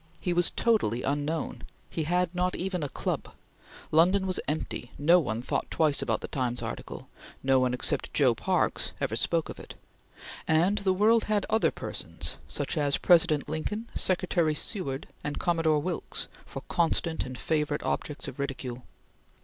He was totally unknown; he had not even a club; London was empty; no one thought twice about the Times article; no one except Joe Parkes ever spoke of it; and the world had other persons such as President Lincoln, Secretary Seward, and Commodore Wilkes for constant and favorite objects of ridicule.